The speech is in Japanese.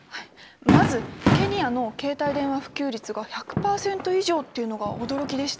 まずケニアの携帯電話普及率が１００％以上っていうのが驚きでした。